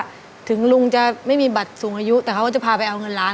ถึงลุงจะไม่มีบัตรสูงอายุแต่เขาก็จะพาไปเอาเงินล้าน